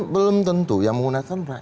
belum tentu yang menggunakan